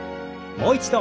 もう一度。